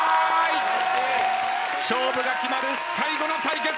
勝負が決まる最後の対決